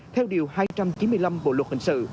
theo điều hai trăm chín mươi năm bộ luật hình sự